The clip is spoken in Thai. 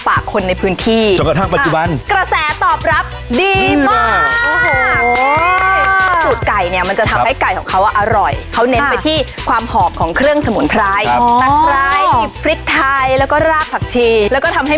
มากสุดก็ได้เกือบล้าน